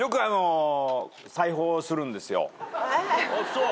そう？